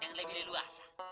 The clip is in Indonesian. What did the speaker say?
jangan lebih leluasa